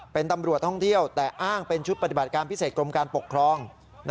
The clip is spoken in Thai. เป็นตำรวจท่องเที่ยวแต่อ้างเป็นชุดปฏิบัติการพิเศษกรมการปกครอง